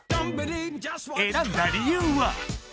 選んだ理由は？